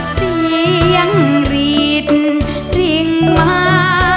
เสียงรีดริ่งมา